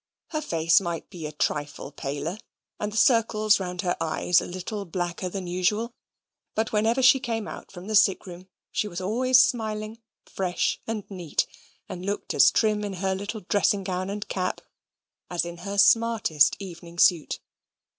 Her face might be a trifle paler, and the circles round her eyes a little blacker than usual; but whenever she came out from the sick room she was always smiling, fresh, and neat, and looked as trim in her little dressing gown and cap, as in her smartest evening suit.